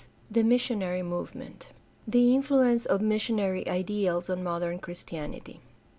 THE MISSIONARY MOVEMENT The influence of missionary ideals on modem Christianity.